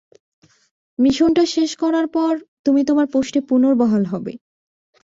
মিশনটা শেষ করার পর, তুমি তোমার পোষ্টে পূনর্বহাল হবে।